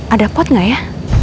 ada pot gak ya